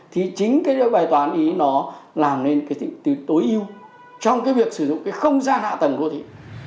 thì chính cái bài toán ý nó làm nên cái tình tình tối ưu trong cái việc sử dụng cái không gian hạ tầng của thị